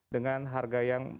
dengan harga yang